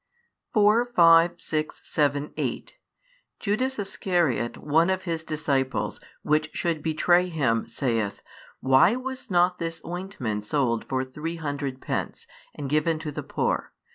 4, 5, 6, 7, 8 Judas Iscariot, one of His disciples, which should betray Him, saith, Why was not this ointment sold for three hundred pence, and given to the poor?